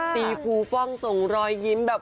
สีฟูฟังจงรอยยิ้มแบบ